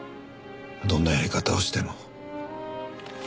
どんなやり方をしても。